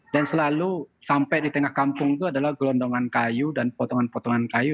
dan selalu sampai di tengah kampung itu adalah gelondongan kayu dan potongan potongan kayu